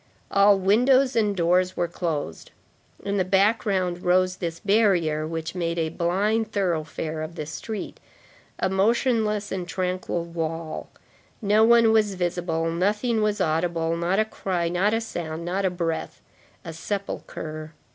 All windows and doors were closed. In the background rose this barrier, which made a blind thoroughfare of the street, a motionless and tranquil wall; no one was visible, nothing was audible; not a cry, not a sound, not a breath. A sepulchre.